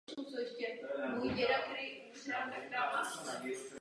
Patřil k významné uherské šlechtě a kromě Nových Dvorů vlastnil čtyři panství v Uhrách.